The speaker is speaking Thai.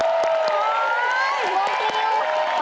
โอ๊ยขอบคุณค่ะ